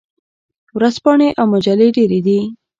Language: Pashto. ورځپاڼې او مجلې ډیرې دي.